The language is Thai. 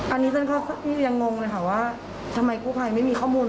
อันนี้ฉันยังงงว่าทำไมกู้ภัยไม่มีข้อมูล